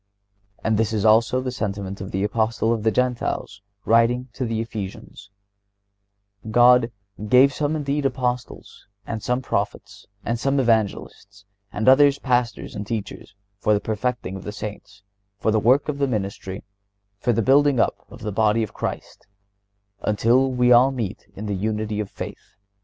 And this is also the sentiment of the Apostle of the Gentiles writing to the Ephesians: God "gave some indeed Apostles, and some Prophets, and some Evangelists, and others Pastors and Teachers, for the perfecting of the Saints, for the work of the ministry, for the building up of the body of Christ, until we all meet in the unity of faith